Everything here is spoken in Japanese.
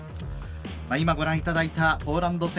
今、ご覧いただいたポーランド戦